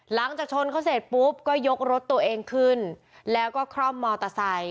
หลังจากชนเขาเสร็จปุ๊บก็ยกรถตัวเองขึ้นแล้วก็คร่อมมอเตอร์ไซค์